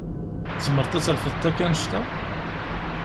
Tzemreḍ ad trefdeḍ akk annect-a?